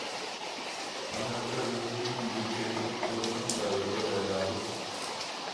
Ханерлер өздөрүнүн жеке рекорддорунан да өтө эле алыс.